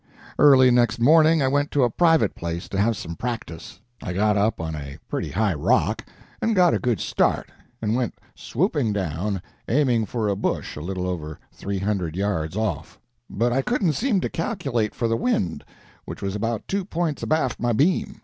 Early next morning I went to a private place to have some practice. I got up on a pretty high rock, and got a good start, and went swooping down, aiming for a bush a little over three hundred yards off; but I couldn't seem to calculate for the wind, which was about two points abaft my beam.